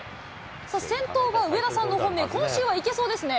さあ、先頭は上田さんの本命、今週はいけそうですね。